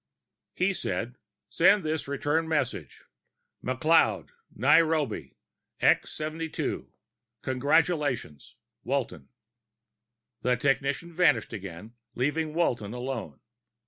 He said, "Send this return message: McLeod, Nairobi, X 72. Congratulations! Walton." The technician vanished again, leaving Walton alone.